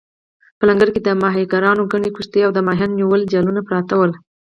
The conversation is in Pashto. په لنګر کې د ماهیګیرانو ګڼې کښتۍ او د ماهیانو نیولو جالونه پراته ول.